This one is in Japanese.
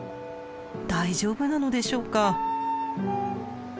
大丈夫なのでしょうか。